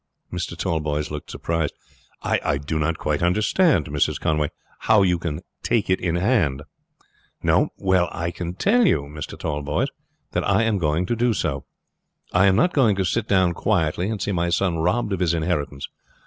"' Mr. Tallboys looked surprised. "I do not quite understand, Mrs. Conway, how you can take it in hand." "No? Well, I can tell you, Mr. Tallboys, that I am going to do so. I am not going to sit down quietly and see my son robbed of his inheritance.